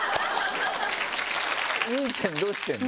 結実ちゃんどうしてるの？